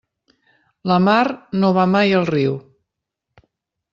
La mar no va mai al riu.